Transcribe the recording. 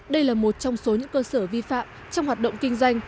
đây là một trong số những cơ sở vi phạm trong hoạt động kinh doanh